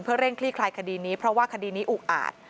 เร่งคลี่คลายคดีนี้เพราะว่าคดีนี้อุกอาจ